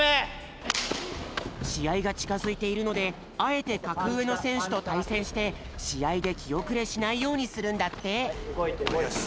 しあいがちかづいているのであえてかくうえのせんしゅとたいせんしてしあいできおくれしないようにするんだって！